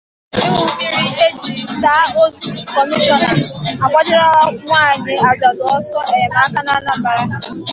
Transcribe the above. Ịñụ Mmiri E Jiri Sa Ozu: Kọmishọna Agbajerela Nwaanyị Ajadụ Ọsọ Enyemaka n'Anambra